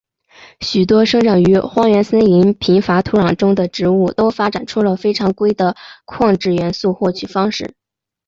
许多生长于荒原森林贫乏土壤中的植物都发展出了非常规的矿质元素获取方式。